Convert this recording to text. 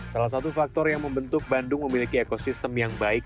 salah satu faktor yang membentuk bandung memiliki ekosistem yang baik